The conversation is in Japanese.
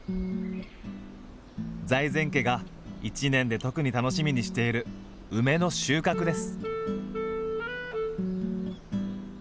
財前家が一年で特に楽しみにしている梅の収穫です。